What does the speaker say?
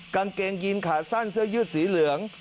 กางเกงยีนขาสั้นเสื้อยืดสีเหลือง